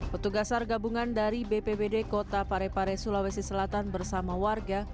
petugas sargabungan dari bppd kota parepare sulawesi selatan bersama warga